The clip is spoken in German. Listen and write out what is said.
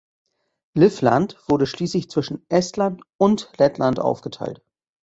Livland wurde schließlich zwischen Estland und Lettland aufgeteilt.